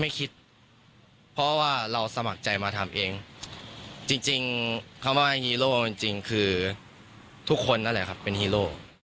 ไม่คิดเพราะว่าเราสมัครใจมาทำเองจริงคำว่าฮีโร่จริงคือทุกคนนั่นแหละครับเป็นฮีโร่